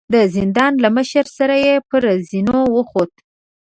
د زندان له مشر سره پر زينو وخوت.